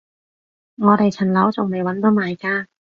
我哋層樓仲未搵到買家